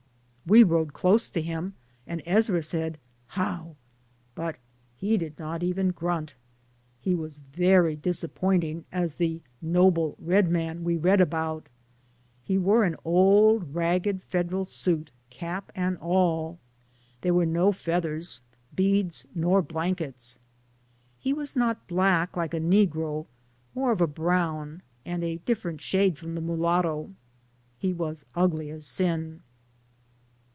We rode close to him, and Ezra said, "How ;" but he did not even grunt. He was very disappointing as the "Noble Red Man" we read about. He wore an old ragged federal suit, cap and all. There were no feathers, beads nor blankets. He was not black like a negro, more of a brown, and a different shade from the mulatto. He was ugly as sin.